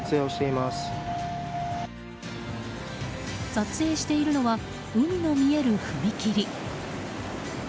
撮影しているのは海の見える踏切。